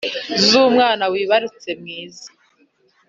z’umwana wibarutse mwiza